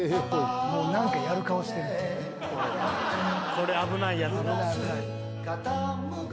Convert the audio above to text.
これ危ないやつ。